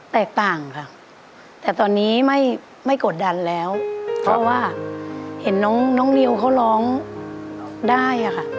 แตกต่างค่ะแต่ตอนนี้ไม่กดดันแล้วเพราะว่าเห็นน้องนิวเขาร้องได้ค่ะ